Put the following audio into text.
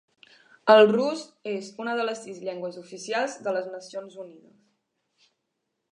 El rus és una de les sis llengües oficials de les Nacions Unides.